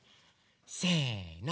せの！